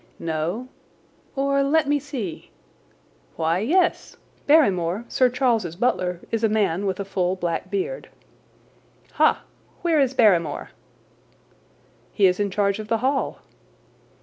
"No—or, let me see—why, yes. Barrymore, Sir Charles's butler, is a man with a full, black beard." "Ha! Where is Barrymore?" "He is in charge of the Hall."